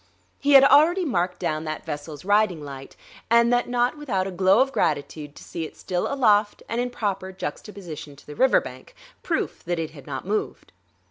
He had already marked down that vessel's riding light; and that not without a glow of gratitude to see it still aloft and in proper juxtaposition to the river bank; proof that it had not moved.